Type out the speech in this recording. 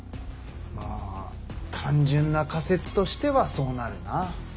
まあ単純な仮説としてはそうなるな。